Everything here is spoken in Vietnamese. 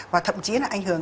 và thậm chí là ảnh hưởng